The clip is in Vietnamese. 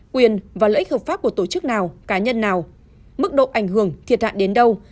quyền và lợi ích hợp pháp của tổ chức nào cá nhân nào mức độ ảnh hưởng thiệt hại đến đâu